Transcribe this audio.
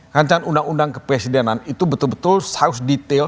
rancangan undang undang kepresidenan itu betul betul harus detail